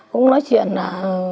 cũng nói chuyện là